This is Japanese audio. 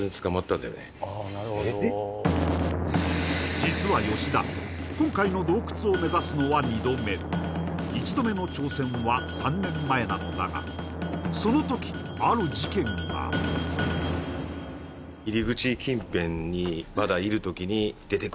実は吉田今回の洞窟を目指すのは二度目一度目の挑戦は３年前なのだがその時ある事件がいや